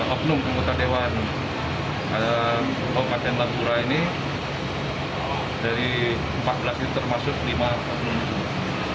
lima obnum kabupaten labuhan ini dari empat belas ini termasuk lima obnum